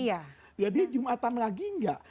ya dia jumatan lagi enggak